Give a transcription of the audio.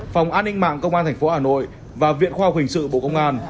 phòng an ninh mạng công an thành phố hà nội và viện khoa học hình sự bộ công an